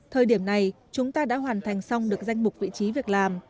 thời điểm này chúng ta đã hoàn thành xong được danh mục vị trí việc làm